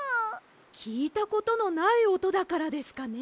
きいたことのないおとだからですかね。